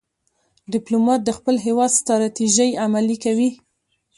ډيپلومات د خپل هېواد ستراتیژۍ عملي کوي.